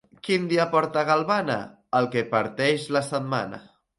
Quin dia porta galvana? El que parteix la setmana.